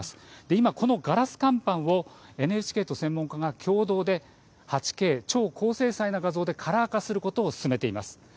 今、このガラス乾板をＮＨＫと専門家が共同で８Ｋ、超高精細な画像でカラー化することを進めています。